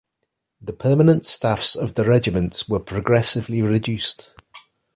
The permanent staffs of the regiments were progressively reduced.